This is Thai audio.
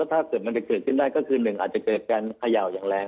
ถ้าเสร็จถึงได้ก็จะขยาวแรง